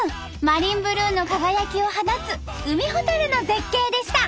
マリンブルーの輝きを放つウミホタルの絶景でした！